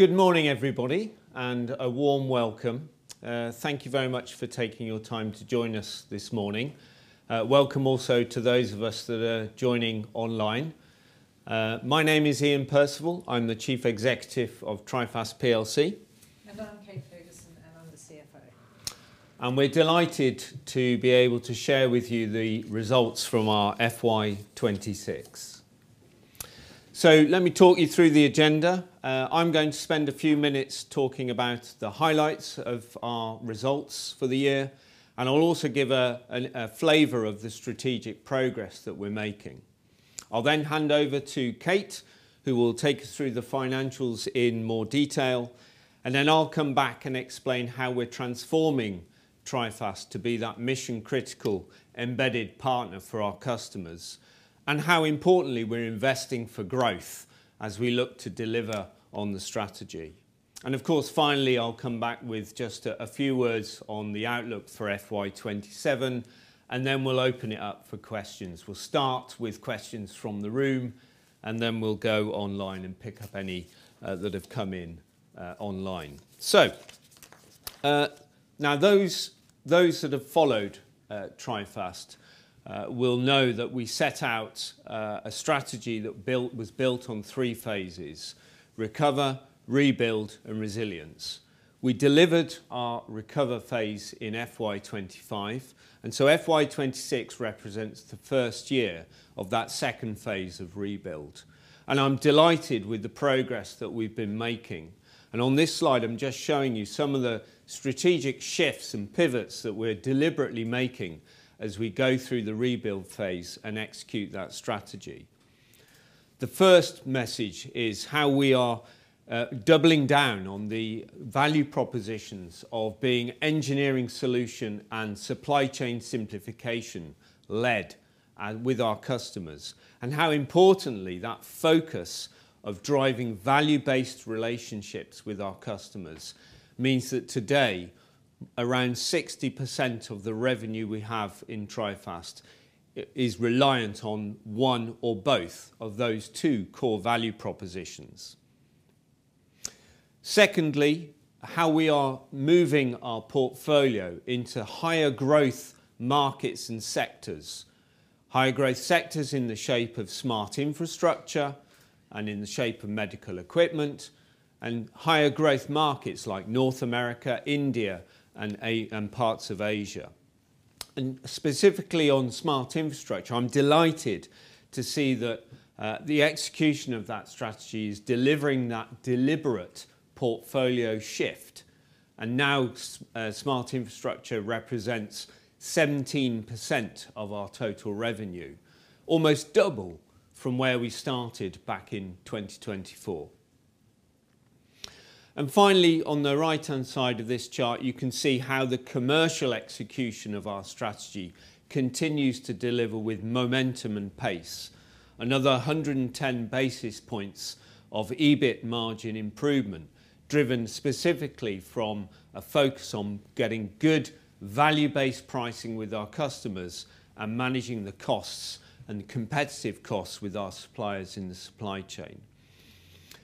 Good morning, everybody, and a warm welcome. Thank you very much for taking your time to join us this morning. Welcome also to those of us that are joining online. My name is Iain Percival. I am the Chief Executive of Trifast plc. I am Kate Ferguson, and I am the CFO. We are delighted to be able to share with you the results from our FY 2026. Let me talk you through the agenda. I am going to spend a few minutes talking about the highlights of our results for the year, and I will also give a flavor of the strategic progress that we are making. I will then hand over to Kate, who will take us through the financials in more detail, then I will come back and explain how we are transforming Trifast to be that mission-critical embedded partner for our customers, and how importantly we are investing for growth as we look to deliver on the strategy. Of course, finally, I will come back with just a few words on the outlook for FY 2027, then we will open it up for questions. We will start with questions from the room, then we will go online and pick up any that have come in online. Now those that have followed Trifast will know that we set out a strategy that was built on three phases, recover, rebuild, and resilience. We delivered our recover phase in FY 2025, FY 2026 represents the first year of that second phase of rebuild. I am delighted with the progress that we have been making. On this slide, I am just showing you some of the strategic shifts and pivots that we are deliberately making as we go through the rebuild phase and execute that strategy. The first message is how we are doubling down on the value propositions of being engineering solution and supply chain simplification-led with our customers, and how importantly, that focus of driving value-based relationships with our customers means that today, around 60% of the revenue we have in Trifast is reliant on one or both of those two core value propositions. Secondly, how we are moving our portfolio into higher growth markets and sectors. Higher growth sectors in the shape of smart infrastructure and in the shape of medical equipment, and higher growth markets like North America, India, and parts of Asia. Specifically on smart infrastructure, I am delighted to see that the execution of that strategy is delivering that deliberate portfolio shift, and now smart infrastructure represents 17% of our total revenue, almost double from where we started back in 2024. Finally, on the right-hand side of this chart, you can see how the commercial execution of our strategy continues to deliver with momentum and pace. Another 110 basis points of EBIT margin improvement, driven specifically from a focus on getting good value-based pricing with our customers and managing the costs and competitive costs with our suppliers in the supply chain.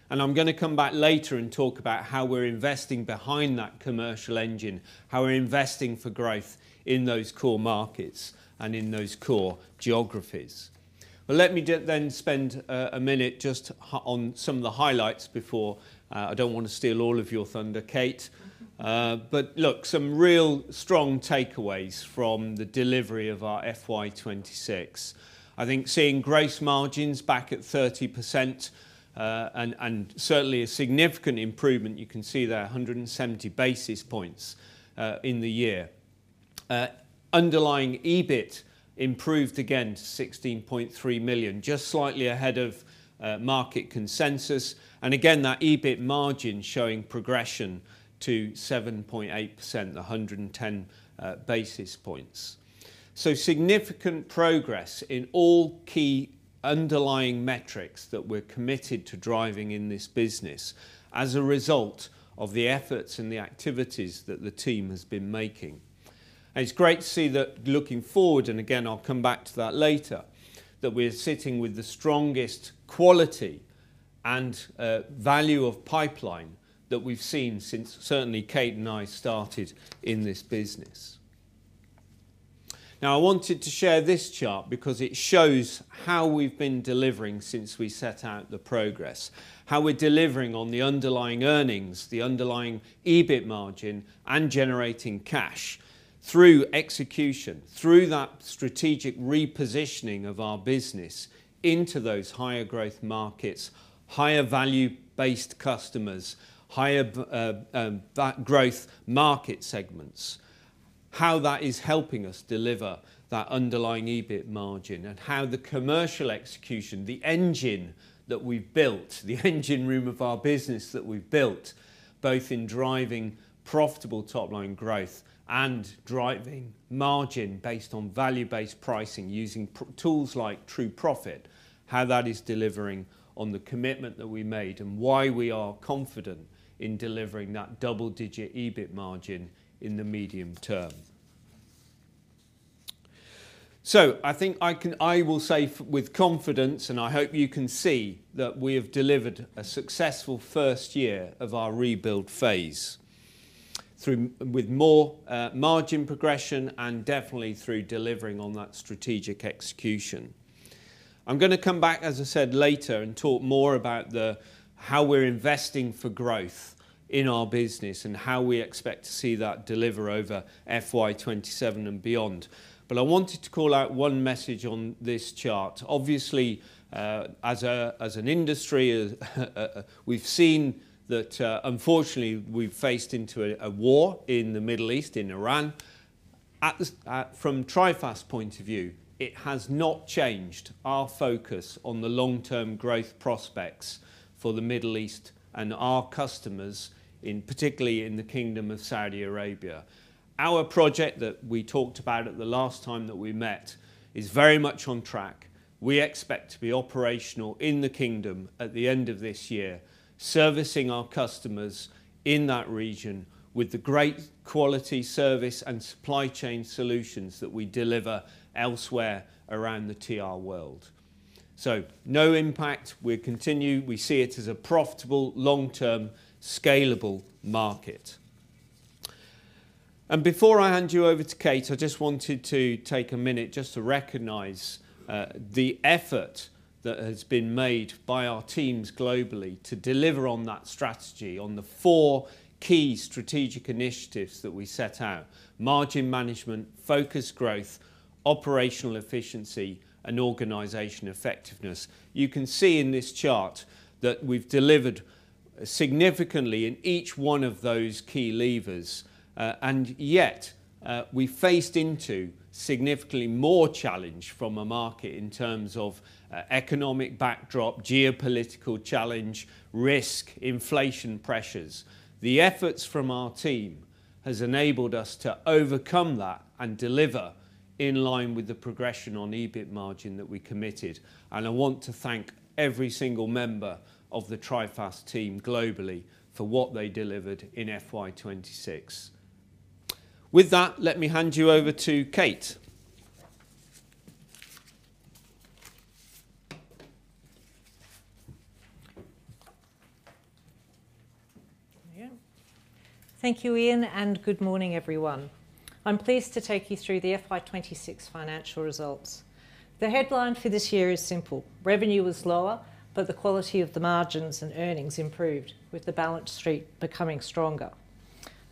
I am going to come back later and talk about how we are investing behind that commercial engine, how we are investing for growth in those core markets and in those core geographies. Let me then spend a minute just on some of the highlights before. I do not want to steal all of your thunder, Kate. Look, some real strong takeaways from the delivery of our FY 2026. I think seeing gross margins back at 30%, and certainly a significant improvement, you can see there, 170 basis points in the year. Underlying EBIT improved again to 16.3 million, just slightly ahead of market consensus. Again, that EBIT margin showing progression to 7.8%, 110 basis points. Significant progress in all key underlying metrics that we are committed to driving in this business as a result of the efforts and the activities that the team has been making. It is great to see that looking forward, and again, I will come back to that later, that we are sitting with the strongest quality and value of pipeline that we have seen since certainly Kate and I started in this business. Now, I wanted to share this chart because it shows how we have been delivering since we set out the progress, how we are delivering on the underlying earnings, the underlying EBIT margin, and generating cash through execution, through that strategic repositioning of our business into those higher growth markets, higher value-based customers, higher growth market segments. How that is helping us deliver that underlying EBIT margin and how the commercial execution, the engine that we have built, the engine room of our business that we have built, both in driving profitable top-line growth and driving margin based on value-based pricing using tools like True Profit, how that is delivering on the commitment that we made and why we are confident in delivering that double-digit EBIT margin in the medium term. I think I will say with confidence, and I hope you can see, that we have delivered a successful first year of our rebuild phase with more margin progression and definitely through delivering on that strategic execution. I am going to come back, as I said, later and talk more about how we are investing for growth in our business and how we expect to see that deliver over FY 2027 and beyond. I wanted to call out one message on this chart. Obviously, as an industry, we've seen that, unfortunately, we've faced into a war in the Middle East, in Iran. From Trifast's point of view, it has not changed our focus on the long-term growth prospects for the Middle East and our customers, particularly in the Kingdom of Saudi Arabia. Our project that we talked about at the last time that we met is very much on track. We expect to be operational in the Kingdom at the end of this year, servicing our customers in that region with the great quality service and supply chain solutions that we deliver elsewhere around the TR world. No impact. We see it as a profitable, long-term, scalable market. Before I hand you over to Kate, I just wanted to take a minute just to recognize the effort that has been made by our teams globally to deliver on that strategy, on the four key strategic initiatives that we set out. Margin management, focused growth, operational efficiency, and organization effectiveness. You can see in this chart that we've delivered significantly in each one of those key levers. Yet, we faced into significantly more challenge from a market in terms of economic backdrop, geopolitical challenge, risk, inflation pressures. The efforts from our team has enabled us to overcome that and deliver in line with the progression on EBIT margin that we committed. I want to thank every single member of the Trifast team globally for what they delivered in FY 2026. With that, let me hand you over to Kate. Thank you, Iain, and good morning, everyone. I'm pleased to take you through the FY 2026 financial results. The headline for this year is simple. Revenue was lower, but the quality of the margins and earnings improved, with the balance sheet becoming stronger.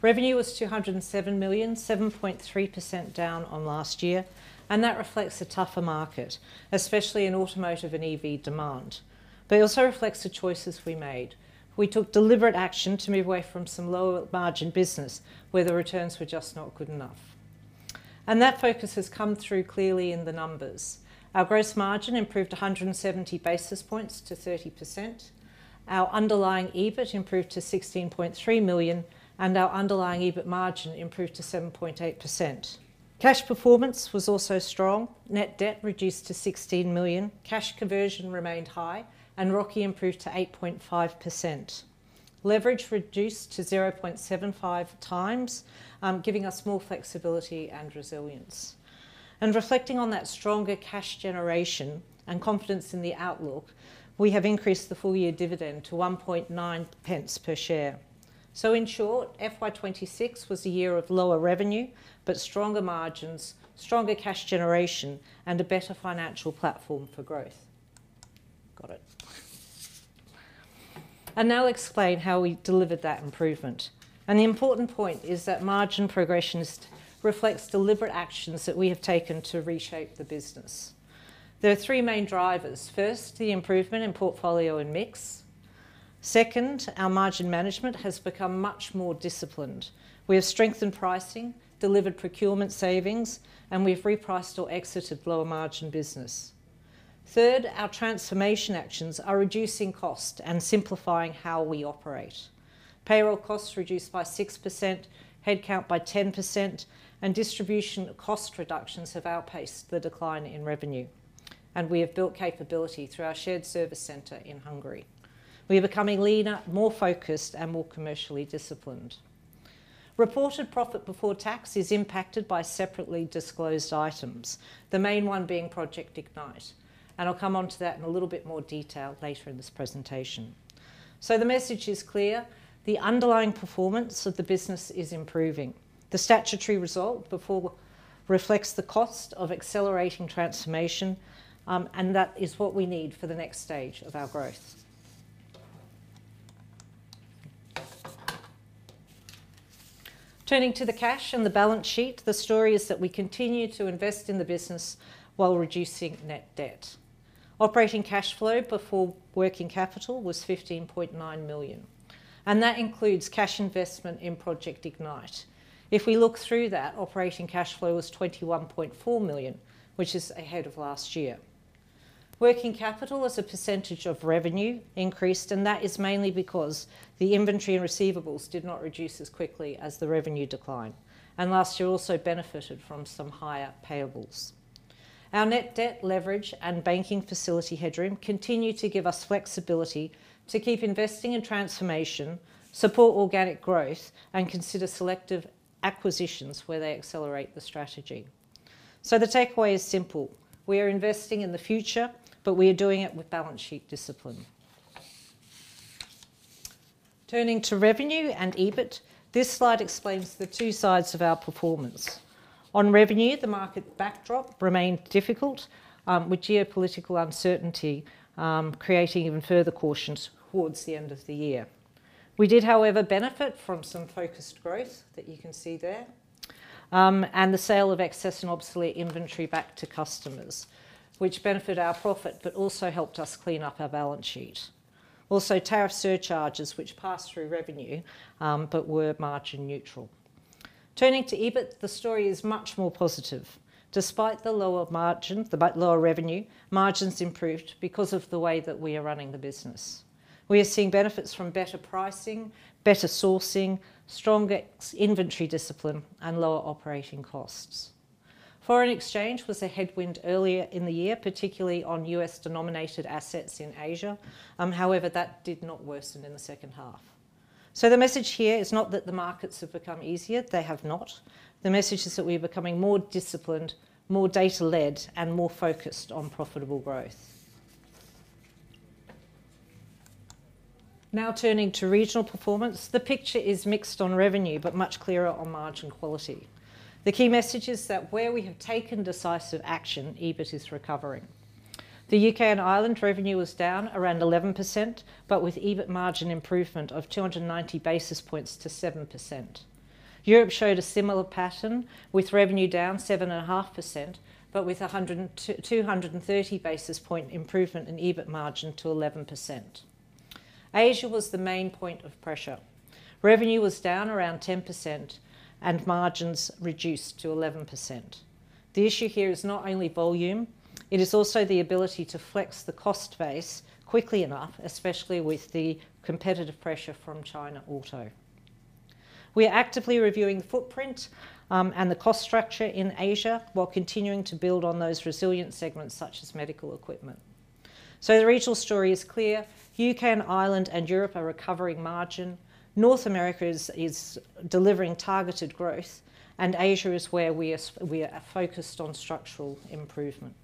Revenue was 207 million, 7.3% down on last year, and that reflects a tougher market, especially in automotive and EV demand. It also reflects the choices we made. We took deliberate action to move away from some lower margin business where the returns were just not good enough. That focus has come through clearly in the numbers. Our gross margin improved 170 basis points to 30%. Our uEBIT improved to 16.3 million, and our uEBIT margin improved to 7.8%. Cash performance was also strong. Net debt reduced to 16 million. Cash conversion remained high, and ROCE improved to 8.5%. Leverage reduced to 0.75 times, giving us more flexibility and resilience. Reflecting on that stronger cash generation and confidence in the outlook, we have increased the full-year dividend to 0.019 per share. In short, FY 2026 was a year of lower revenue, but stronger margins, stronger cash generation, and a better financial platform for growth. Got it. Now I'll explain how we delivered that improvement. The important point is that margin progression reflects deliberate actions that we have taken to reshape the business. There are three main drivers. First, the improvement in portfolio and mix. Second, our margin management has become much more disciplined. We have strengthened pricing, delivered procurement savings, and we've repriced or exited lower margin business. Third, our transformation actions are reducing cost and simplifying how we operate. Payroll costs reduced by 6%, headcount by 10%, distribution cost reductions have outpaced the decline in revenue. We have built capability through our shared service center in Hungary. We are becoming leaner, more focused, and more commercially disciplined. Reported profit before tax is impacted by separately disclosed items, the main one being Project Ignite. I'll come onto that in a little bit more detail later in this presentation. The message is clear. The underlying performance of the business is improving. The statutory result reflects the cost of accelerating transformation, and that is what we need for the next stage of our growth. Turning to the cash and the balance sheet, the story is that we continue to invest in the business while reducing net debt. Operating cash flow before working capital was 15.9 million, and that includes cash investment in Project Ignite. If we look through that, operating cash flow was 21.4 million, which is ahead of last year. Working capital as a percentage of revenue increased, and that is mainly because the inventory and receivables did not reduce as quickly as the revenue decline. Last year also benefited from some higher payables. Our net debt leverage and banking facility headroom continue to give us flexibility to keep investing in transformation, support organic growth, and consider selective acquisitions where they accelerate the strategy. The takeaway is simple. We are investing in the future, but we are doing it with balance sheet discipline. Turning to revenue and EBIT, this slide explains the two sides of our performance. On revenue, the market backdrop remained difficult, with geopolitical uncertainty creating even further cautions towards the end of the year. We did, however, benefit from some focused growth, that you can see there, and the sale of excess and obsolete inventory back to customers, which benefited our profit but also helped us clean up our balance sheet. Also, tariff surcharges, which passed through revenue, but were margin neutral. Turning to EBIT, the story is much more positive. Despite the lower revenue, margins improved because of the way that we are running the business. We are seeing benefits from better pricing, better sourcing, stronger inventory discipline, and lower operating costs. Foreign exchange was a headwind earlier in the year, particularly on U.S.-denominated assets in Asia. However, that did not worsen in the second half. The message here is not that the markets have become easier. They have not. The message is that we are becoming more disciplined, more data-led, and more focused on profitable growth. Now turning to regional performance, the picture is mixed on revenue, but much clearer on margin quality. The key message is that where we have taken decisive action, EBIT is recovering. The U.K. and Ireland revenue was down around 11%, but with EBIT margin improvement of 290 basis points to 7%. Europe showed a similar pattern, with revenue down 7.5%, but with 230 basis point improvement in EBIT margin to 11%. Asia was the main point of pressure. Revenue was down around 10%, and margins reduced to 11%. The issue here is not only volume, it is also the ability to flex the cost base quickly enough, especially with the competitive pressure from China Auto. We are actively reviewing the footprint and the cost structure in Asia while continuing to build on those resilient segments such as medical equipment. The regional story is clear. U.K. and Ireland and Europe are recovering margin. North America is delivering targeted growth. Asia is where we are focused on structural improvement.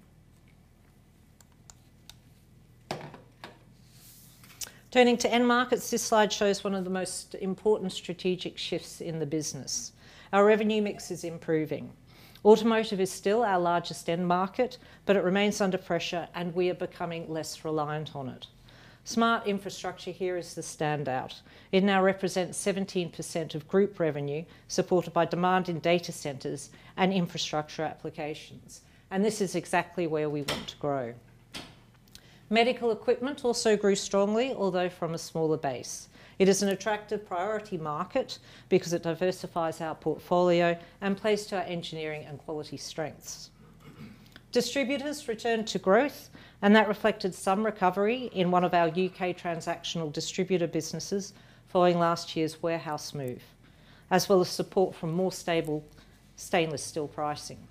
Turning to end markets, this slide shows one of the most important strategic shifts in the business. Our revenue mix is improving. Automotive is still our largest end market, but it remains under pressure. We are becoming less reliant on it. Smart infrastructure here is the standout. It now represents 17% of group revenue, supported by demand in data centers and infrastructure applications. This is exactly where we want to grow. Medical equipment also grew strongly, although from a smaller base. It is an attractive priority market because it diversifies our portfolio and plays to our engineering and quality strengths. Distributors returned to growth. That reflected some recovery in one of our U.K. transactional distributor businesses following last year's warehouse move, as well as support from more stable stainless steel pricing.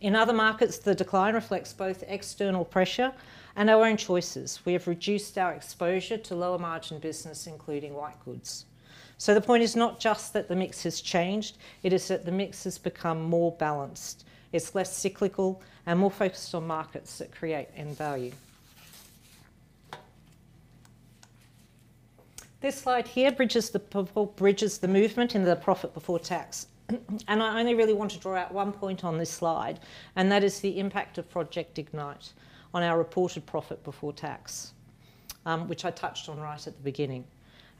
In other markets, the decline reflects both external pressure and our own choices. We have reduced our exposure to lower margin business, including white goods. The point is not just that the mix has changed, it is that the mix has become more balanced. It's less cyclical and more focused on markets that create end value. This slide here bridges the movement in the profit before tax. I only really want to draw out one point on this slide. That is the impact of Project Ignite on our reported profit before tax, which I touched on right at the beginning.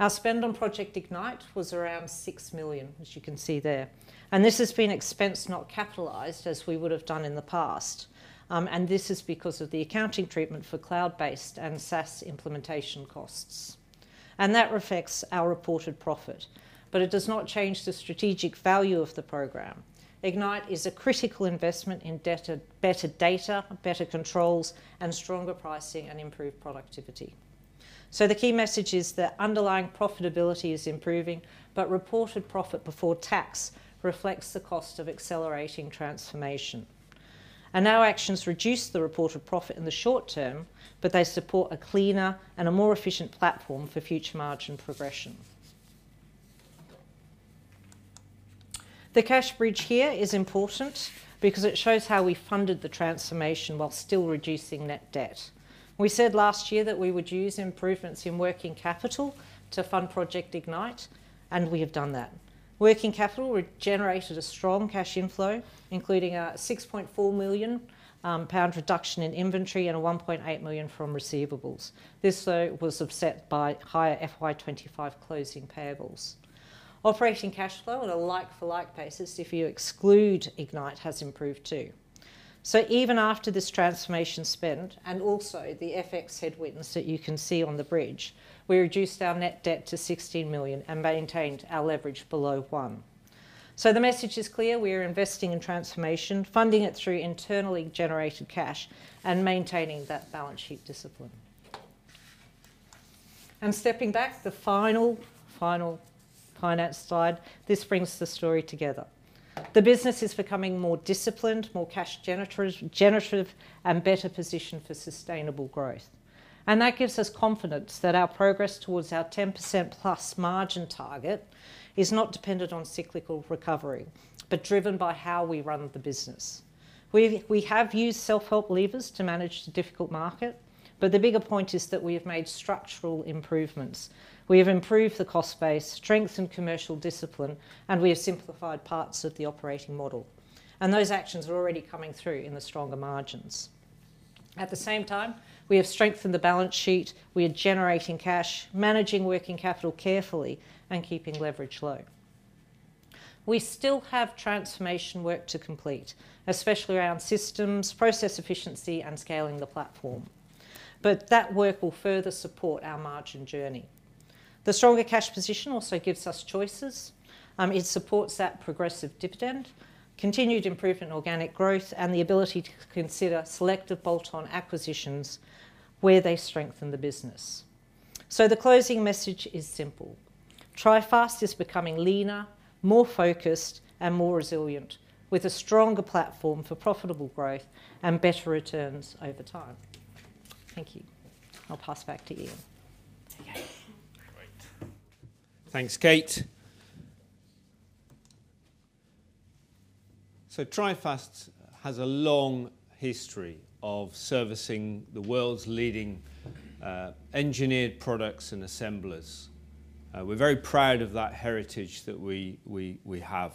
Our spend on Project Ignite was around 6 million, as you can see there. This has been expensed, not capitalized, as we would have done in the past. This is because of the accounting treatment for cloud-based and SaaS implementation costs. That affects our reported profit, but it does not change the strategic value of the program. Ignite is a critical investment in better data, better controls, and stronger pricing and improved productivity. The key message is that underlying profitability is improving, but reported profit before tax reflects the cost of accelerating transformation. Our actions reduce the reported profit in the short term, but they support a cleaner and a more efficient platform for future margin progression. The cash bridge here is important because it shows how we funded the transformation while still reducing net debt. We said last year that we would use improvements in working capital to fund Project Ignite. We have done that. Working capital generated a strong cash inflow, including 6.4 million pound reduction in inventory and 1.8 million from receivables. This, though, was offset by higher FY 2025 closing payables. Operating cash flow on a like-for-like basis, if you exclude Ignite, has improved too. Even after this transformation spend, also the FX headwinds that you can see on the bridge, we reduced our net debt to 16 million and maintained our leverage below one. The message is clear. We are investing in transformation, funding it through internally generated cash, and maintaining that balance sheet discipline. Stepping back, the final finance slide. This brings the story together. The business is becoming more disciplined, more cash generative, and better positioned for sustainable growth. That gives us confidence that our progress towards our 10% plus margin target is not dependent on cyclical recovery, but driven by how we run the business. We have used self-help levers to manage the difficult market, but the bigger point is that we have made structural improvements. We have improved the cost base, strengthened commercial discipline, we have simplified parts of the operating model. Those actions are already coming through in the stronger margins. At the same time, we have strengthened the balance sheet, we are generating cash, managing working capital carefully and keeping leverage low. We still have transformation work to complete, especially around systems, process efficiency and scaling the platform. That work will further support our margin journey. The stronger cash position also gives us choices. It supports that progressive dividend, continued improvement in organic growth, the ability to consider selective bolt-on acquisitions where they strengthen the business. The closing message is simple. Trifast is becoming leaner, more focused and more resilient, with a stronger platform for profitable growth and better returns over time. Thank you. I'll pass back to Iain. Great. Thanks, Kate. Trifast has a long history of servicing the world's leading engineered products and assemblers. We're very proud of that heritage that we have.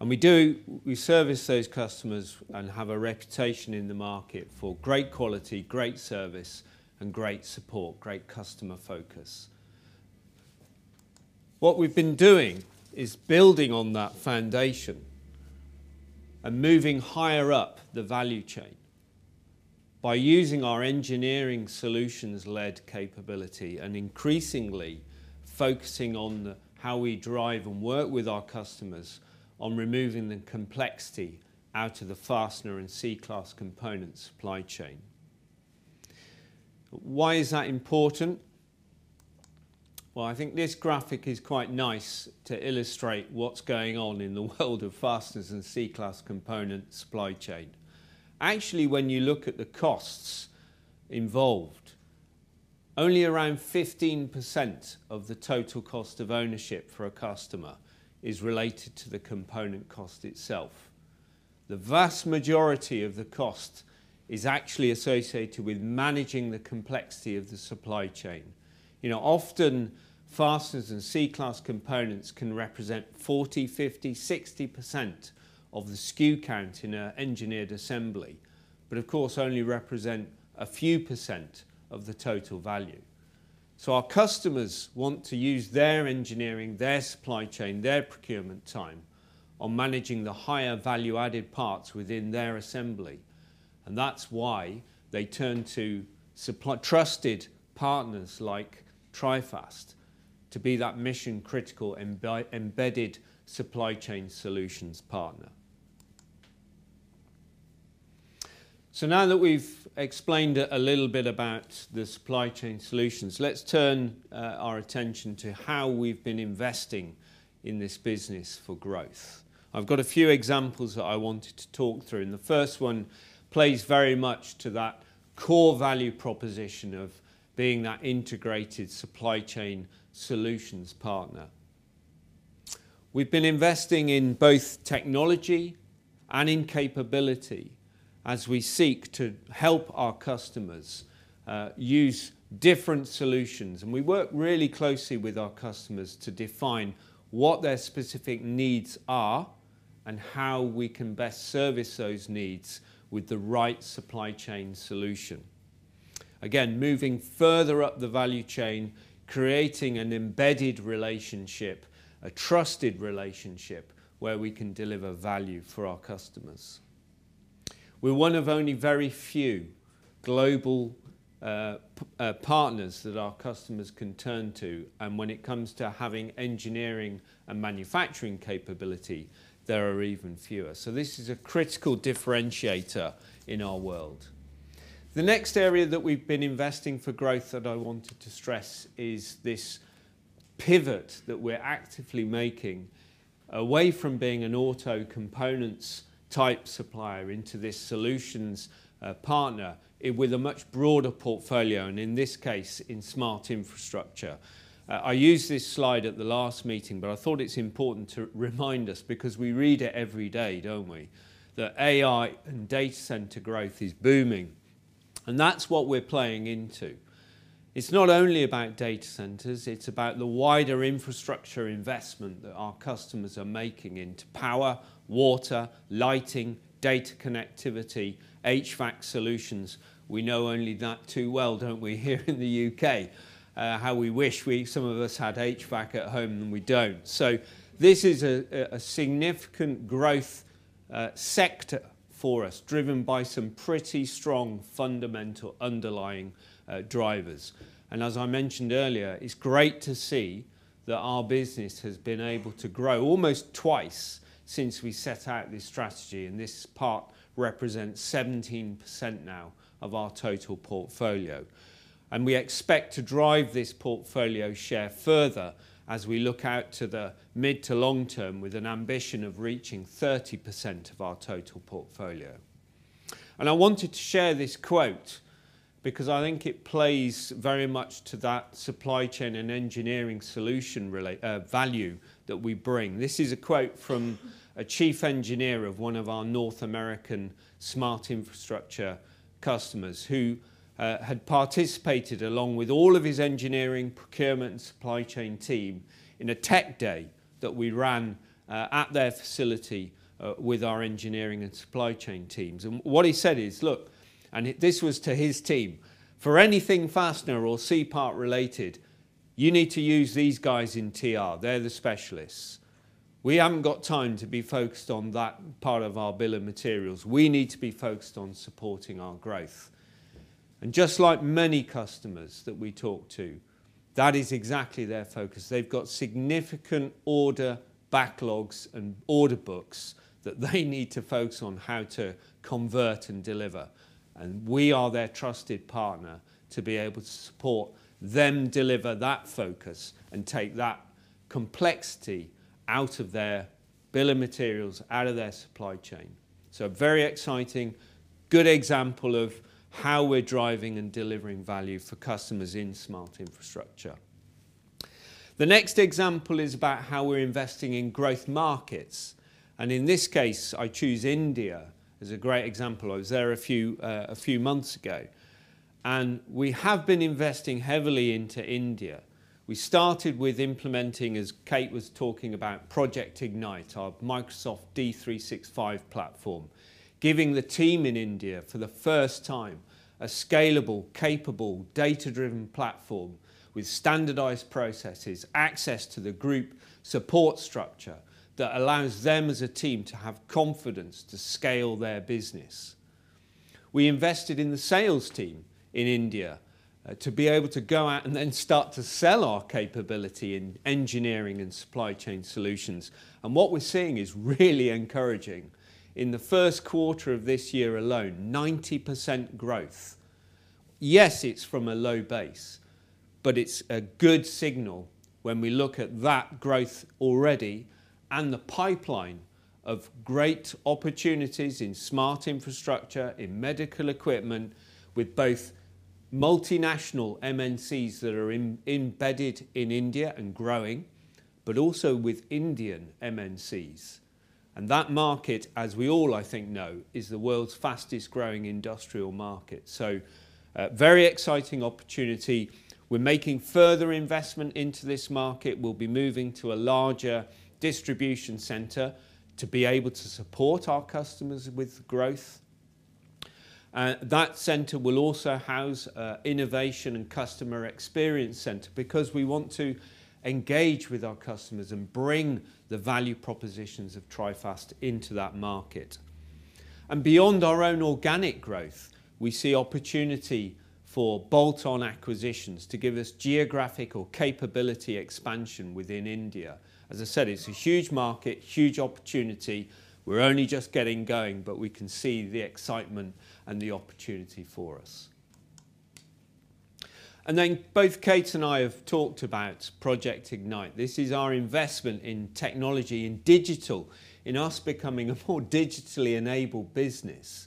We service those customers and have a reputation in the market for great quality, great service and great support, great customer focus. What we've been doing is building on that foundation and moving higher up the value chain by using our engineering solutions led capability and increasingly focusing on how we drive and work with our customers on removing the complexity out of the fastener and C-class component supply chain. Why is that important? Well, I think this graphic is quite nice to illustrate what's going on in the world of fasteners and C-class component supply chain. Actually, when you look at the costs involved, only around 15% of the total cost of ownership for a customer is related to the component cost itself. The vast majority of the cost is actually associated with managing the complexity of the supply chain. Often fasteners and C-class components can represent 40%, 50%, 60% of the SKU count in an engineered assembly, but of course, only represent a few percent of the total value. Our customers want to use their engineering, their supply chain, their procurement time on managing the higher value added parts within their assembly. That's why they turn to trusted partners like Trifast to be that mission critical embedded supply chain solutions partner. Now that we've explained a little bit about the supply chain solutions, let's turn our attention to how we've been investing in this business for growth. I've got a few examples that I wanted to talk through, the first one plays very much to that core value proposition of being that integrated supply chain solutions partner. We've been investing in both technology and in capability as we seek to help our customers use different solutions. We work really closely with our customers to define what their specific needs are and how we can best service those needs with the right supply chain solution. Again, moving further up the value chain, creating an embedded relationship, a trusted relationship where we can deliver value for our customers. We're one of only very few global partners that our customers can turn to, when it comes to having engineering and manufacturing capability, there are even fewer. This is a critical differentiator in our world. The next area that we've been investing for growth that I wanted to stress is this pivot that we're actively making away from being an auto components type supplier into this solutions partner with a much broader portfolio, in this case, in smart infrastructure. I used this slide at the last meeting, I thought it's important to remind us because we read it every day, don't we? That AI and data center growth is booming, that's what we're playing into. It's not only about data centers, it's about the wider infrastructure investment that our customers are making into power, water, lighting, data connectivity, HVAC solutions. We know only that too well, don't we, here in the U.K. How we wish some of us had HVAC at home, we don't. This is a significant growth sector for us, driven by some pretty strong fundamental underlying drivers. As I mentioned earlier, it's great to see that our business has been able to grow almost twice since we set out this strategy, this part represents 17% now of our total portfolio. We expect to drive this portfolio share further as we look out to the mid to long term with an ambition of reaching 30% of our total portfolio. I wanted to share this quote because I think it plays very much to that supply chain and engineering solution value that we bring. This is a quote from a chief engineer of one of our North American smart infrastructure customers who had participated along with all of his engineering, procurement, and supply chain team in a tech day that we ran at their facility with our engineering and supply chain teams. What he said is, "Look," this was to his team, "for anything fastener or C-part related, you need to use these guys in TR. They're the specialists. We haven't got time to be focused on that part of our bill of materials. We need to be focused on supporting our growth." Just like many customers that we talk to, that is exactly their focus. They've got significant order backlogs and order books that they need to focus on how to convert and deliver. We are their trusted partner to be able to support them deliver that focus and take that complexity out of their bill of materials, out of their supply chain. Very exciting, good example of how we're driving and delivering value for customers in smart infrastructure. The next example is about how we're investing in growth markets. In this case, I choose India as a great example. I was there a few months ago. We have been investing heavily into India. We started with implementing, as Kate was talking about, Project Ignite, our Microsoft D365 platform, giving the team in India, for the first time, a scalable, capable data-driven platform with standardized processes, access to the group support structure that allows them as a team to have confidence to scale their business. We invested in the sales team in India to be able to go out and then start to sell our capability in engineering and supply chain solutions. What we're seeing is really encouraging. In the first quarter of this year alone, 90% growth. Yes, it's from a low base, but it's a good signal when we look at that growth already and the pipeline of great opportunities in smart infrastructure, in medical equipment with both multinational MNCs that are embedded in India and growing, but also with Indian MNCs. That market, as we all I think know, is the world's fastest growing industrial market. A very exciting opportunity. We're making further investment into this market. We'll be moving to a larger distribution center to be able to support our customers with growth. That center will also house innovation and customer experience center because we want to engage with our customers and bring the value propositions of Trifast into that market. Beyond our own organic growth, we see opportunity for bolt-on acquisitions to give us geographic or capability expansion within India. As I said, it's a huge market, huge opportunity. We're only just getting going, but we can see the excitement and the opportunity for us. Both Kate and I have talked about Project Ignite. This is our investment in technology, in digital, in us becoming a more digitally enabled business.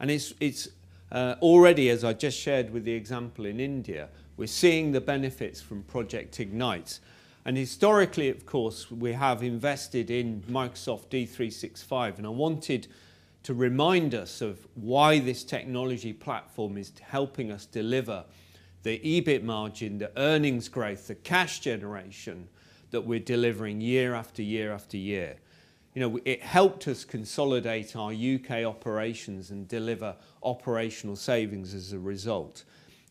It's already, as I just shared with the example in India, we're seeing the benefits from Project Ignite. Historically, of course, we have invested in Microsoft D365, and I wanted to remind us of why this technology platform is helping us deliver the EBIT margin, the earnings growth, the cash generation that we're delivering year after year after year. It helped us consolidate our U.K. operations and deliver operational savings as a result.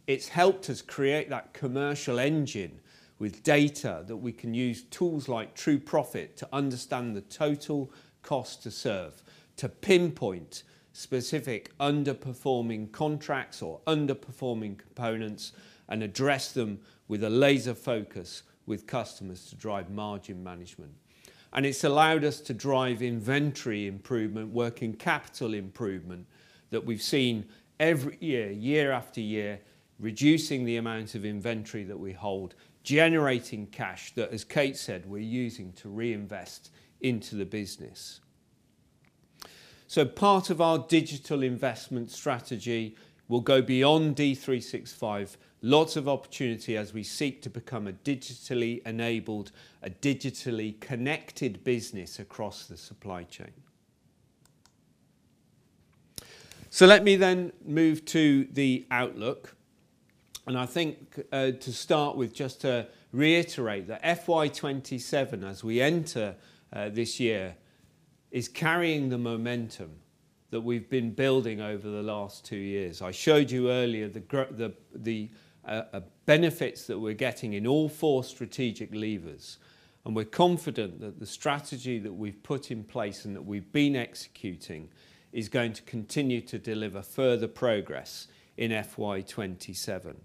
It's helped us create that commercial engine with data that we can use tools like True Profit to understand the total cost to serve, to pinpoint specific underperforming contracts or underperforming components and address them with a laser focus with customers to drive margin management. It's allowed us to drive inventory improvement, working capital improvement that we've seen every year after year, reducing the amount of inventory that we hold, generating cash that, as Kate said, we're using to reinvest into the business. Part of our digital investment strategy will go beyond D365. Lots of opportunity as we seek to become a digitally enabled, a digitally connected business across the supply chain. Let me then move to the outlook. I think to start with, just to reiterate that FY 2027 as we enter this year, is carrying the momentum that we've been building over the last two years. I showed you earlier the benefits that we're getting in all four strategic levers. We're confident that the strategy that we've put in place and that we've been executing is going to continue to deliver further progress in FY 2027.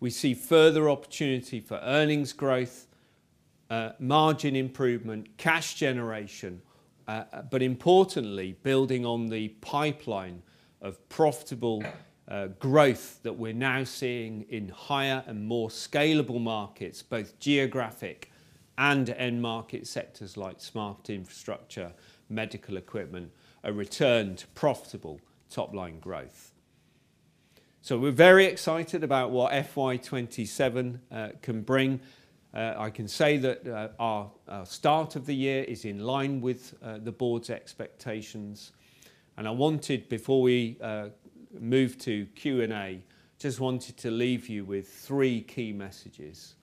We see further opportunity for earnings growth, margin improvement, cash generation. Importantly, building on the pipeline of profitable growth that we're now seeing in higher and more scalable markets, both geographic and end market sectors like smart infrastructure, medical equipment, a return to profitable top-line growth. We're very excited about what FY 2027 can bring. I can say that our start of the year is in line with the board's expectations. I wanted, before we move to Q&A, just wanted to leave you with three key messages.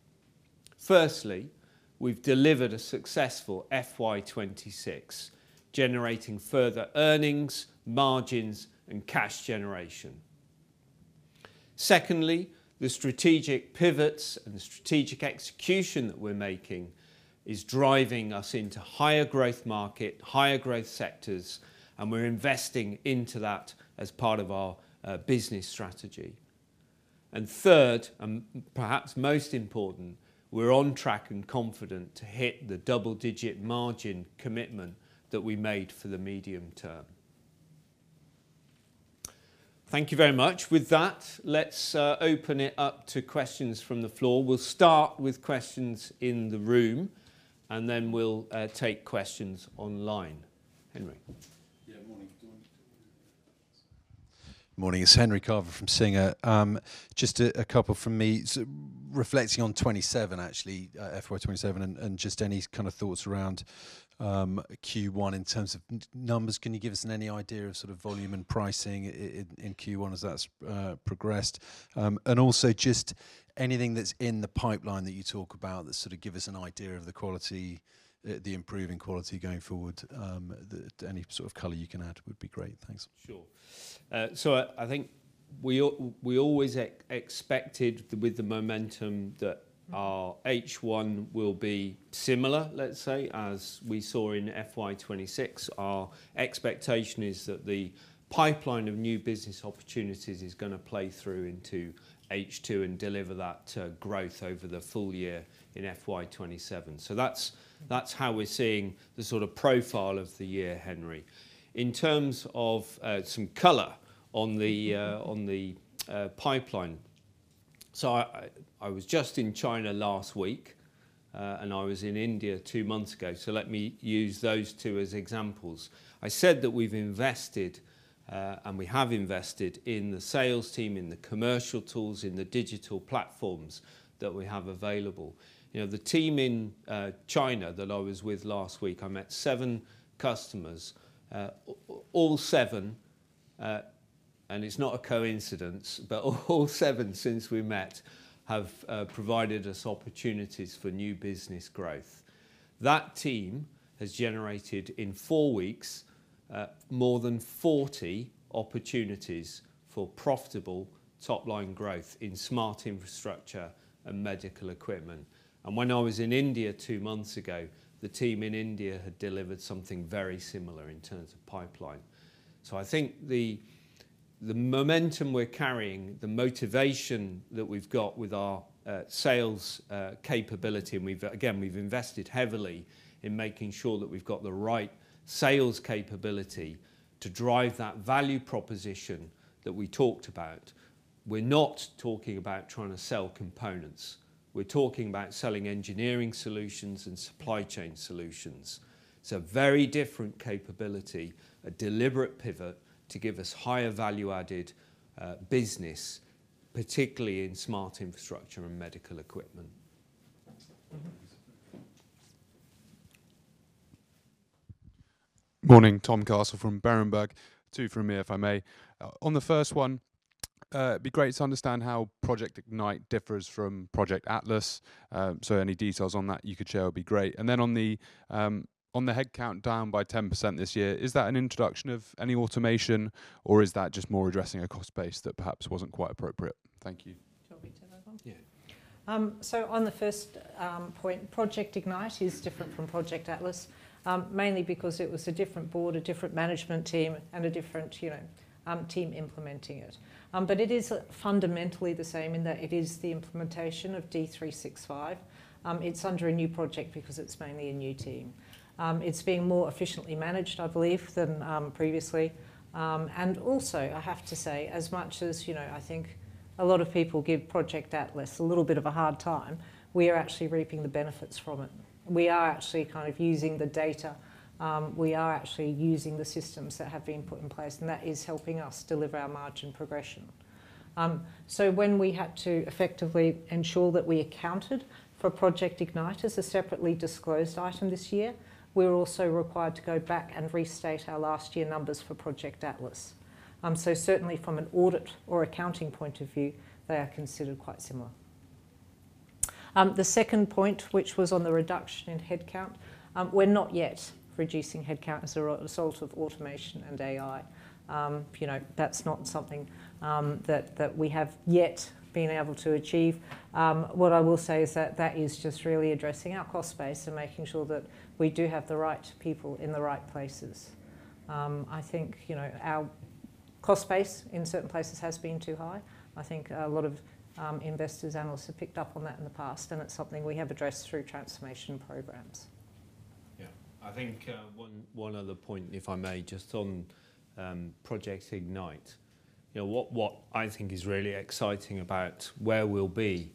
Firstly, we've delivered a successful FY 2026, generating further earnings, margins, and cash generation. Secondly, the strategic pivots and the strategic execution that we're making is driving us into higher growth market, higher growth sectors. We're investing into that as part of our business strategy. Third, and perhaps most important, we're on track and confident to hit the double-digit margin commitment that we made for the medium term. Thank you very much. With that, let's open it up to questions from the floor. We'll start with questions in the room, and then we'll take questions online. Henry? Morning. Morning. It's Henry Carver from Singer. Just a couple from me. Reflecting on 2027, actually, FY 2027, just any kind of thoughts around Q1 in terms of numbers. Can you give us any idea of volume and pricing in Q1 as that's progressed? Also just anything that's in the pipeline that you talk about that give us an idea of the quality, the improving quality going forward. Any sort of color you can add would be great. Thanks. Sure. I think we always expected with the momentum that our H1 will be similar, let's say, as we saw in FY 2026. Our expectation is that the pipeline of new business opportunities is going to play through into H2 and deliver that growth over the full year in FY 2027. That's how we're seeing the sort of profile of the year, Henry. In terms of some color on the pipeline, I was just in China last week. I was in India two months ago. Let me use those two as examples. I said that we've invested. We have invested in the sales team, in the commercial tools, in the digital platforms that we have available. The team in China that I was with last week, I met seven customers. All seven, and it's not a coincidence, but all seven since we met have provided us opportunities for new business growth. That team has generated, in four weeks, more than 40 opportunities for profitable top-line growth in smart infrastructure and medical equipment. When I was in India two months ago, the team in India had delivered something very similar in terms of pipeline. I think the momentum we're carrying, the motivation that we've got with our sales capability, and again, we've invested heavily in making sure that we've got the right sales capability to drive that value proposition that we talked about. We're not talking about trying to sell components. We're talking about selling engineering solutions and supply chain solutions. Very different capability, a deliberate pivot to give us higher value-added business, particularly in smart infrastructure and medical equipment. Morning, Tom Castle from Berenberg. Two from me, if I may. On the first one, it'd be great to understand how Project Ignite differs from Project Atlas. Any details on that you could share would be great. Then on the headcount down by 10% this year, is that an introduction of any automation, or is that just more addressing a cost base that perhaps wasn't quite appropriate? Thank you. Do you want me to take that one? Yeah. On the first point, Project Ignite is different from Project Atlas, mainly because it was a different board, a different management team and a different team implementing it. It is fundamentally the same in that it is the implementation of D365. It's under a new project because it's mainly a new team. It's being more efficiently managed, I believe, than previously. Also, I have to say, as much as I think a lot of people give Project Atlas a little bit of a hard time, we are actually reaping the benefits from it. We are actually using the data. We are actually using the systems that have been put in place, and that is helping us deliver our margin progression. When we had to effectively ensure that we accounted for Project Ignite as a separately disclosed item this year, we were also required to go back and restate our last year numbers for Project Atlas. Certainly from an audit or accounting point of view, they are considered quite similar. The second point, which was on the reduction in headcount, we're not yet reducing headcount as a result of automation and AI. That's not something that we have yet been able to achieve. What I will say is that that is just really addressing our cost base and making sure that we do have the right people in the right places. I think our cost base in certain places has been too high. I think a lot of investors, analysts have picked up on that in the past, and it's something we have addressed through transformation programs. Yeah. I think one other point, if I may, just on Project Ignite. What I think is really exciting about where we'll be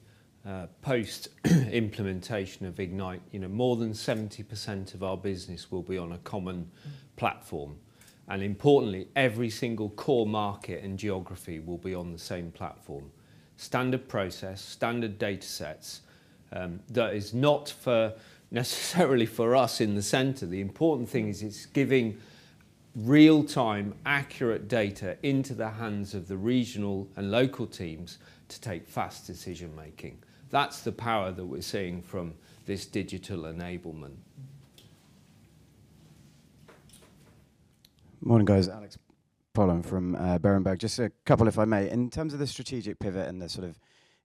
Post implementation of Ignite, more than 70% of our business will be on a common platform. Importantly, every single core market and geography will be on the same platform. Standard process, standard data sets. That is not necessarily for us in the center. The important thing is it's giving real-time accurate data into the hands of the regional and local teams to take fast decision-making. That's the power that we're seeing from this digital enablement. Morning, guys. Alex Pollen from Berenberg. Just a couple, if I may. In terms of the strategic pivot and the sort of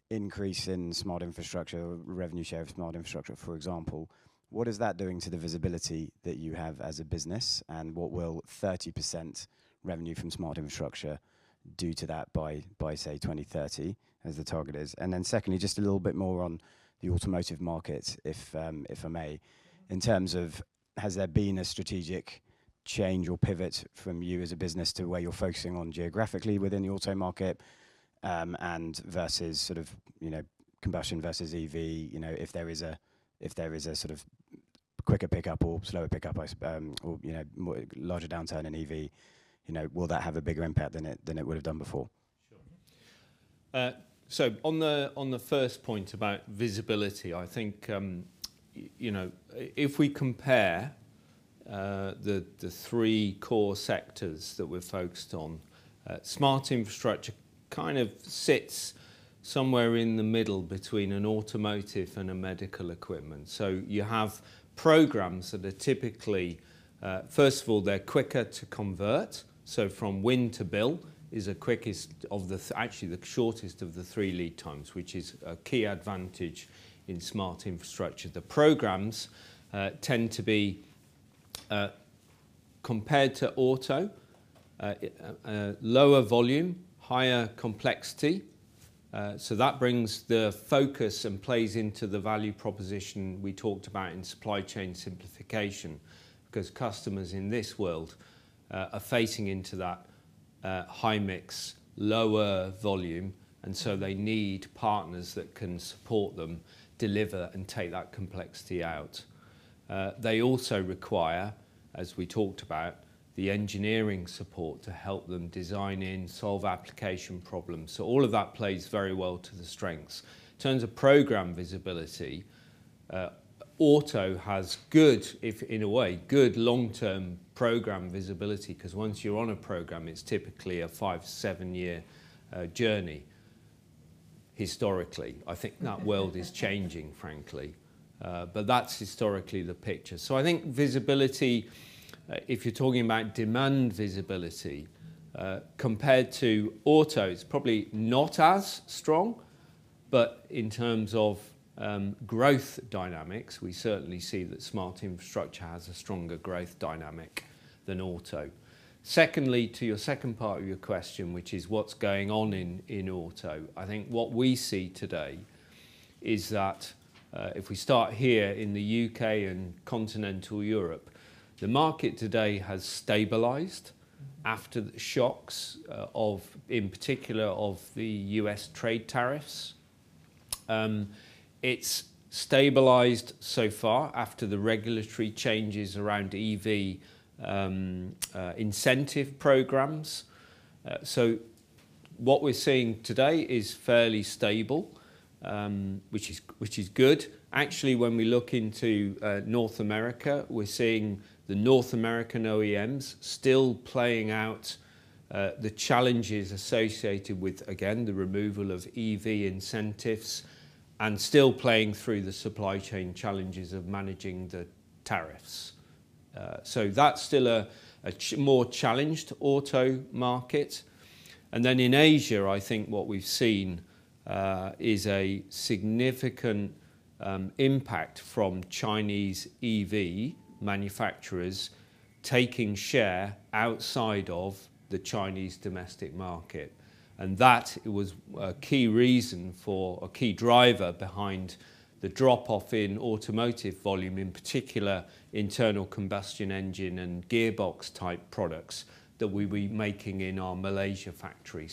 increase in smart infrastructure revenue share of smart infrastructure, for example, what is that doing to the visibility that you have as a business, and what will 30% revenue from smart infrastructure do to that by, say, 2030, as the target is? Secondly, just a little bit more on the automotive market, if I may. In terms of has there been a strategic change or pivot from you as a business to where you're focusing on geographically within the auto market, and versus combustion versus EV, if there is a sort of quicker pickup or slower pickup, or larger downturn in EV, will that have a bigger impact than it would have done before? Sure. On the first point about visibility, I think if we compare the three core sectors that we're focused on, smart infrastructure kind of sits somewhere in the middle between an automotive and a medical equipment. You have programs that are typically, first of all, they're quicker to convert. From win to bill is actually the shortest of the three lead times, which is a key advantage in smart infrastructure. The programs tend to be, compared to auto, lower volume, higher complexity. That brings the focus and plays into the value proposition we talked about in supply chain simplification, because customers in this world are facing into that high mix, lower volume, they need partners that can support them, deliver, and take that complexity out. They also require, as we talked about, the engineering support to help them design and solve application problems. All of that plays very well to the strengths. In terms of program visibility, auto has, in a way, good long-term program visibility, because once you're on a program, it's typically a five to seven-year journey, historically. I think that world is changing, frankly. That's historically the picture. I think visibility, if you're talking about demand visibility, compared to auto, it's probably not as strong, but in terms of growth dynamics, we certainly see that smart infrastructure has a stronger growth dynamic than auto. To your second part of your question, which is what's going on in auto. I think what we see today is that, if we start here in the U.K. and continental Europe, the market today has stabilized after the shocks, in particular of the U.S. trade tariffs. It's stabilized so far after the regulatory changes around EV incentive programs. What we're seeing today is fairly stable, which is good. Actually, when we look into North America, we're seeing the North American OEMs still playing out the challenges associated with, again, the removal of EV incentives, and still playing through the supply chain challenges of managing the tariffs. That's still a more challenged auto market. In Asia, I think what we've seen is a significant impact from Chinese EV manufacturers taking share outside of the Chinese domestic market. That was a key driver behind the drop-off in automotive volume, in particular, internal combustion engine and gearbox-type products that we were making in our Malaysia factory.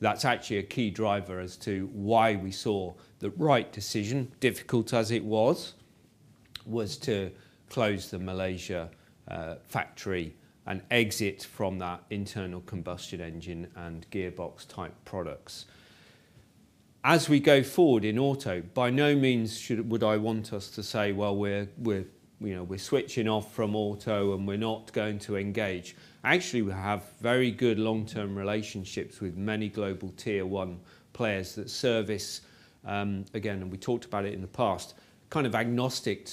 That's actually a key driver as to why we saw the right decision, difficult as it was to close the Malaysia factory and exit from that internal combustion engine and gearbox-type products. As we go forward in auto, by no means would I want us to say, "Well, we're switching off from auto, and we're not going to engage." Actually, we have very good long-term relationships with many global tier 1 players that service, again, and we talked about it in the past, kind of agnostic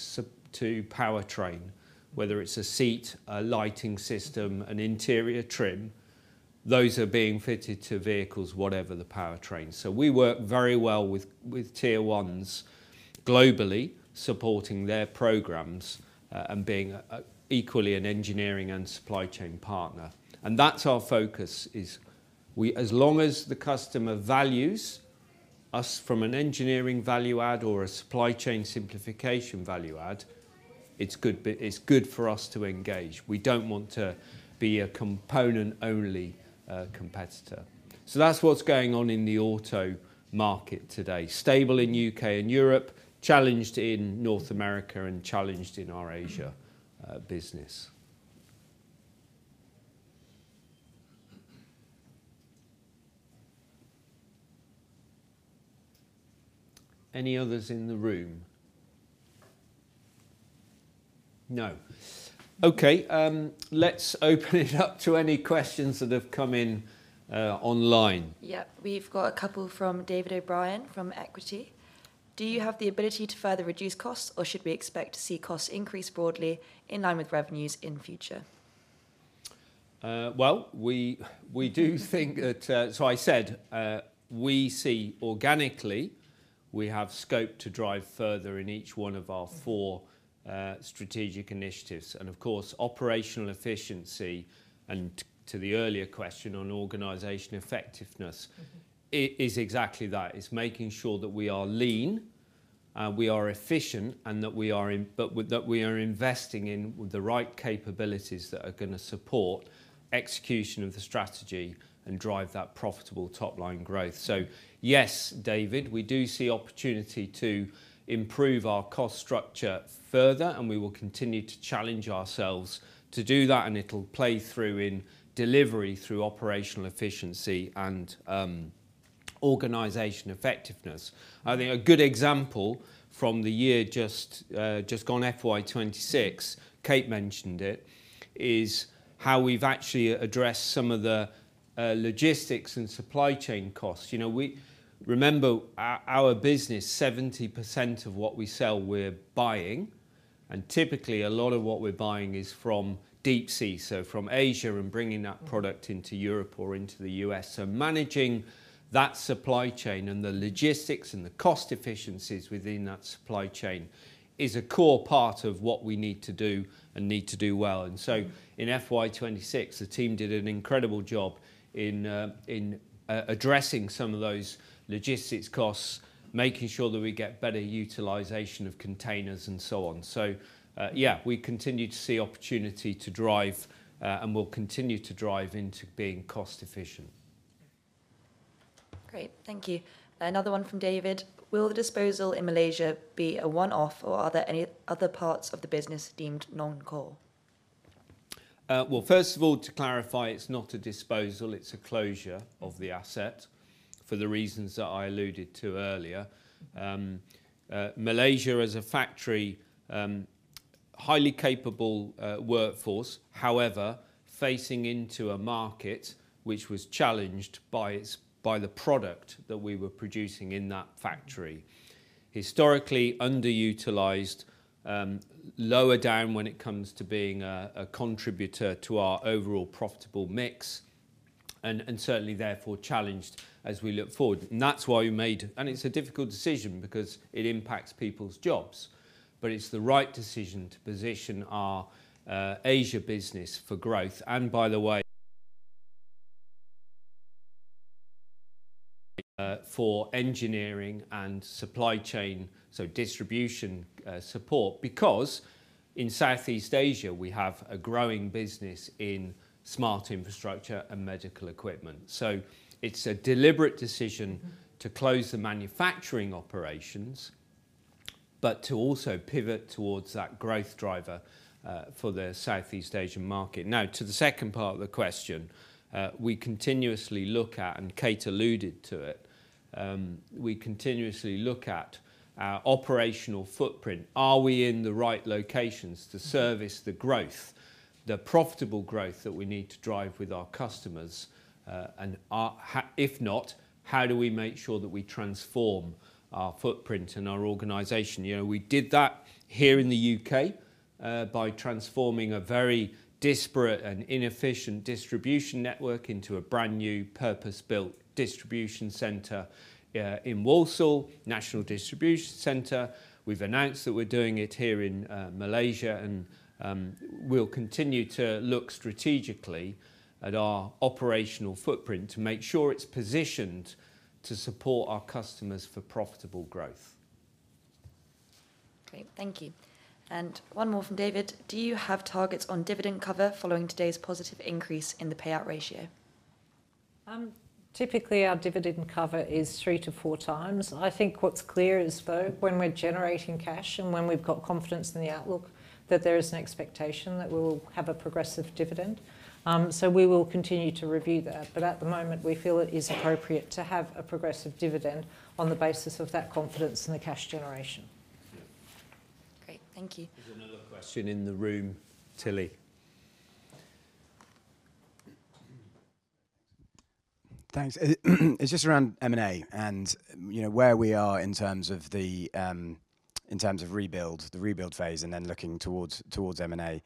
to powertrain, whether it's a seat, a lighting system, an interior trim. Those are being fitted to vehicles, whatever the powertrain. We work very well with tier 1s globally, supporting their programs, and being equally an engineering and supply chain partner. That's our focus is as long as the customer values us from an engineering value add or a supply chain simplification value add. It's good for us to engage. We don't want to be a component-only competitor. That's what's going on in the auto market today. Stable in U.K. and Europe, challenged in North America, challenged in our Asia business. Any others in the room? No. Okay. Let's open it up to any questions that have come in online. Yeah. We've got a couple from David O'Brien from Goodbody. Do you have the ability to further reduce costs, or should we expect to see costs increase broadly in line with revenues in future? We do think that I said, we see organically we have scope to drive further in each one of our four strategic initiatives, and of course, operational efficiency, and to the earlier question on organization effectiveness, is exactly that. It's making sure that we are lean and we are efficient, that we are investing in the right capabilities that are going to support execution of the strategy and drive that profitable top-line growth. Yes, David, we do see opportunity to improve our cost structure further, and we will continue to challenge ourselves to do that, and it'll play through in delivery through operational efficiency and organization effectiveness. I think a good example from the year just gone, FY 2026, Kate mentioned it, is how we've actually addressed some of the logistics and supply chain costs. Remember, our business, 70% of what we sell we're buying, typically, a lot of what we're buying is from deep sea, from Asia and bringing that product into Europe or into the U.S. Managing that supply chain and the logistics and the cost efficiencies within that supply chain is a core part of what we need to do and need to do well. In FY 2026, the team did an incredible job in addressing some of those logistics costs, making sure that we get better utilization of containers and so on. Yeah, we continue to see opportunity to drive, and we'll continue to drive into being cost-efficient. Great. Thank you. Another one from David. Will the disposal in Malaysia be a one-off, or are there any other parts of the business deemed non-core? Well, first of all, to clarify, it's not a disposal, it's a closure of the asset for the reasons that I alluded to earlier. Malaysia, as a factory, highly capable workforce. However, facing into a market which was challenged by the product that we were producing in that factory. Historically underutilized, lower down when it comes to being a contributor to our overall profitable mix, and certainly therefore challenged as we look forward. It's a difficult decision because it impacts people's jobs, but it's the right decision to position our Asia business for growth. By the way, for engineering and supply chain, so distribution support, because in Southeast Asia we have a growing business in smart infrastructure and medical equipment. It's a deliberate decision to close the manufacturing operations, but to also pivot towards that growth driver for the Southeast Asian market. Now, to the second part of the question, we continuously look at, and Kate alluded to it, our operational footprint. Are we in the right locations to service the growth, the profitable growth that we need to drive with our customers? If not, how do we make sure that we transform our footprint and our organization? We did that here in the U.K. by transforming a very disparate and inefficient distribution network into a brand-new purpose-built distribution center in Walsall, national distribution center. We've announced that we're doing it here in Malaysia, we'll continue to look strategically at our operational footprint to make sure it's positioned to support our customers for profitable growth. Great. Thank you. One more from David. Do you have targets on dividend cover following today's positive increase in the payout ratio? Typically, our dividend cover is three to four times. I think what's clear is, though, when we're generating cash and when we've got confidence in the outlook, that there is an expectation that we will have a progressive dividend. We will continue to review that. At the moment, we feel it is appropriate to have a progressive dividend on the basis of that confidence in the cash generation. Yeah. Great. Thank you. There's another question in the room. Tilly. Thanks. It's just around M&A and where we are in terms of the rebuild phase, then looking towards M&A,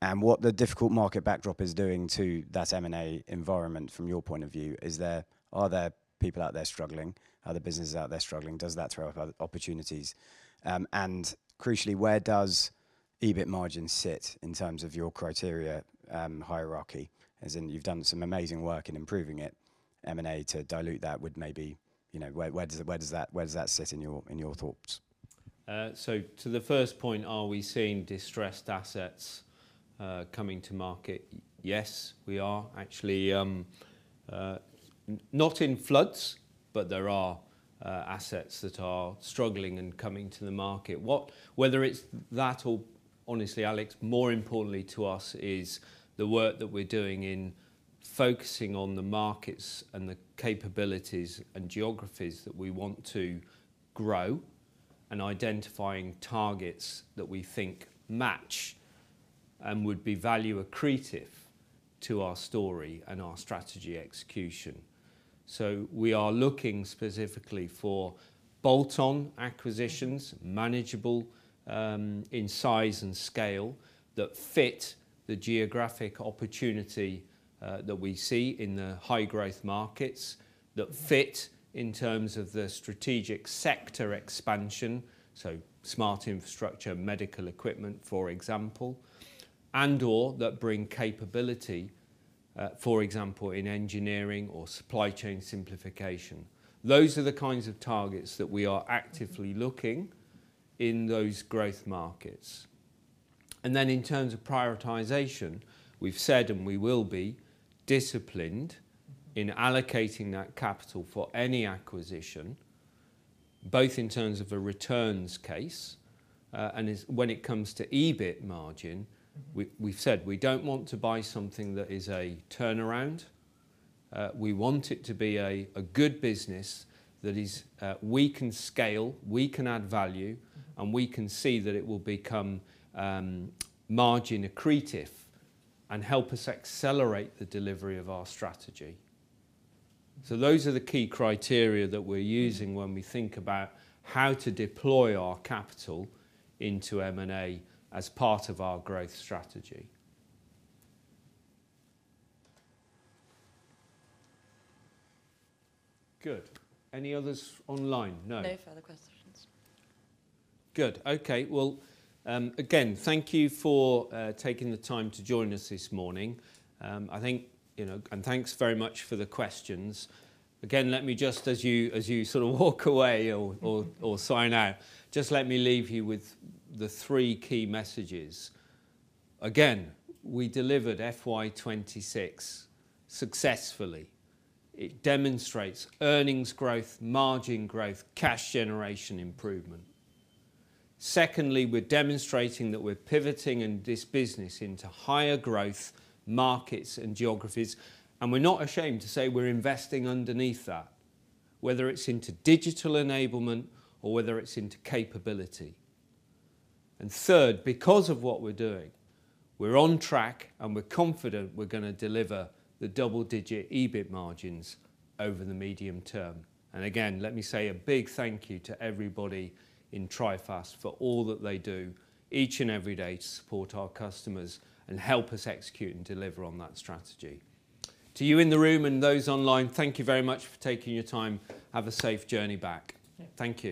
and what the difficult market backdrop is doing to that M&A environment from your point of view. Are there people out there struggling? Are there businesses out there struggling? Does that throw up opportunities? Crucially, where does EBIT margin sit in terms of your criteria hierarchy? As in you've done some amazing work in improving it. M&A to dilute that would. Where does that sit in your thoughts? To the first point, are we seeing distressed assets coming to market? Yes, we are actually. Not in floods, but there are assets that are struggling and coming to the market. Whether it's that or, honestly, Alex, more importantly to us is the work that we're doing in focusing on the markets and the capabilities and geographies that we want to grow, and identifying targets that we think match and would be value accretive to our story and our strategy execution. We are looking specifically for bolt-on acquisitions, manageable in size and scale, that fit the geographic opportunity that we see in the high-growth markets, that fit in terms of the strategic sector expansion. Smart infrastructure, medical equipment, for example, and/or that bring capability, for example, in engineering or supply chain simplification. Those are the kinds of targets that we are actively looking in those growth markets. In terms of prioritization, we've said and we will be disciplined in allocating that capital for any acquisition, both in terms of a returns case, and when it comes to EBIT margin, we've said we don't want to buy something that is a turnaround. We want it to be a good business that we can scale, we can add value, and we can see that it will become margin accretive and help us accelerate the delivery of our strategy. So those are the key criteria that we're using when we think about how to deploy our capital into M&A as part of our growth strategy. Good. Any others online? No. No further questions. Good. Okay. Well, thank you for taking the time to join us this morning. Thanks very much for the questions. As you walk away or sign out, just let me leave you with the three key messages. We delivered FY 2026 successfully. It demonstrates earnings growth, margin growth, cash generation improvement. Secondly, we're demonstrating that we're pivoting this business into higher growth markets and geographies, and we're not ashamed to say we're investing underneath that, whether it's into digital enablement or whether it's into capability. And third, because of what we're doing, we're on track and we're confident we're going to deliver the double-digit EBIT margins over the medium term. And again, let me say a big thank you to everybody in Trifast for all that they do each and every day to support our customers and help us execute and deliver on that strategy. To you in the room and those online, thank you very much for taking your time. Have a safe journey back. Yeah. Thank you.